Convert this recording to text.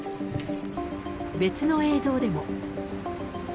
別の映像でも。